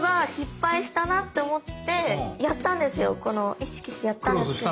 意識してやったんですけど。